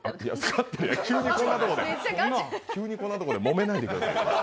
急にこんなところでもめないでください。